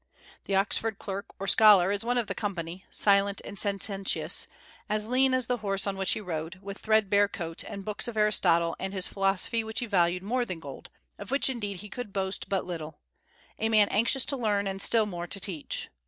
The Oxford clerk or scholar is one of the company, silent and sententious, as lean as the horse on which he rode, with thread bare coat, and books of Aristotle and his philosophy which he valued more than gold, of which indeed he could boast but little, a man anxious to learn, and still more to teach.